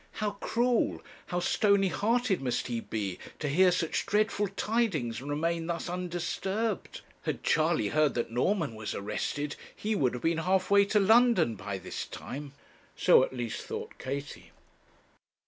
How cruel, how stony hearted must he be to hear such dreadful tidings and remain thus undisturbed! Had Charley heard that Norman was arrested, he would have been half way to London by this time. So, at least, thought Katie.